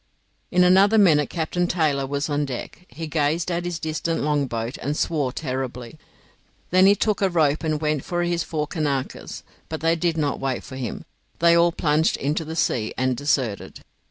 In another minute Captain Taylor was on deck. He gazed at his distant longboat and swore terribly. Then he took a rope and went for his four Kanakas; but they did not wait for him; they all plunged into the sea and deserted.